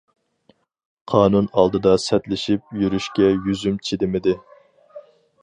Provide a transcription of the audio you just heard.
قانۇن ئالدىدا سەتلىشىپ يۈرۈشكە يۈزۈم چىدىمىدى.